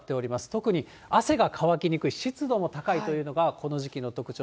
特に汗が乾きにくい、湿度も高いというのが、この時期の特徴。